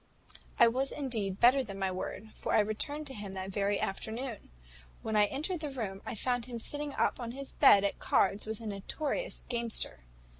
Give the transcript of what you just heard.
"I was indeed better than my word; for I returned to him that very afternoon. When I entered the room, I found him sitting up in his bed at cards with a notorious gamester.